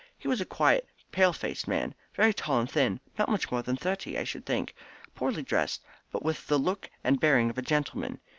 He was a quiet, pale faced man, very tall and thin, not much more than thirty, I should think, poorly dressed, but with the look and bearing of a gentleman.